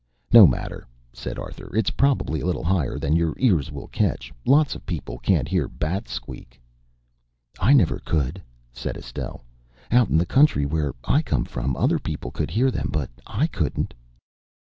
"No matter," said Arthur. "It's probably a little higher than your ears will catch. Lots of people can't hear a bat squeak." "I never could," said Estelle. "Out in the country, where I come from, other people could hear them, but I couldn't."